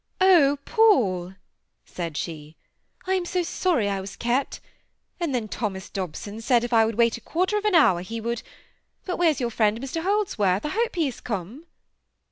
"Oh, Paul!" said she, "I am so sorry I was kept; and then Thomas Dobson said if I would wait a quarter of an hour he would—But where's your friend Mr Holdsworth? I hope he is come?"